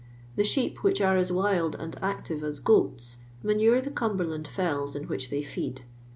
The sheep, which are as wild and active as goats, manure the Cumberland fells in which they feed.